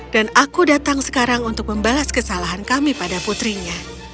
dan aku datang sekarang untuk membalas kesalahan kami pada putrinya